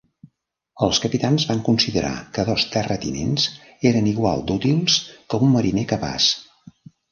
Els capitans van considerar que dos terratinents eren igual d'útils que un mariner capaç.